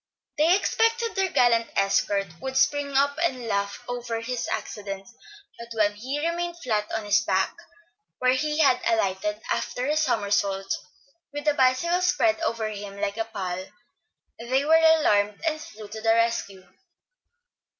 They expected their gallant escort would spring up and laugh over his accident; but when he remained flat upon his back, where he had alighted after a somersault, with the bicycle spread over him like a pall, they were alarmed, and flew to the rescue.